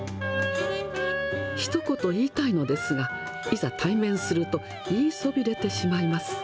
ひと言言いたいのですが、いざ対面すると、言いそびれてしまいます。